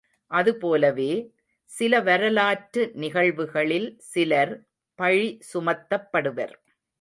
அதுபோலவே, சில வரலாற்று நிகழ்வுகளில் சிலர் பழிசுமத்தப்படுவர்.